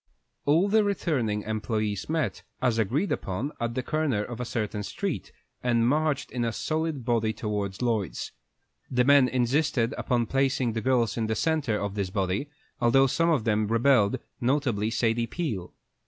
All the returning employés met, as agreed upon, at the corner of a certain street, and marched in a solid body towards Lloyd's. The men insisted upon placing the girls in the centre of this body, although some of them rebelled, notably Sadie Peel.